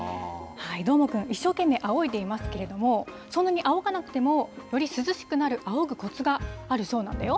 どーもくん、一生懸命あおいでいますけれども、そんなにあおがなくても、より涼しくなるあおぐこつがあるそうなんだよ。